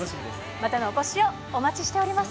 またのお越しをお待ちしております。